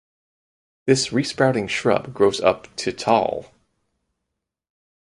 This resprouting shrub grows up to tall.